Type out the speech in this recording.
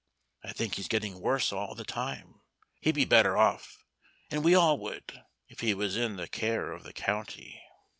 I think he's getting worse all the time. He'd be better off, and we all would, if he was in the care of the county."